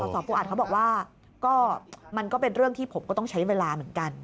สปูอัดเขาบอกว่าก็มันก็เป็นเรื่องที่ผมก็ต้องใช้เวลาเหมือนกัน